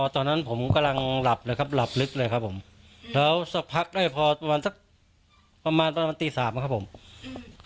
ตอนนั้นผมกำลังหลับเลยครับหลับลึกเลยครับผมแล้วสักพักได้พอประมาณสักประมาณประมาณตีสามครับผมอืม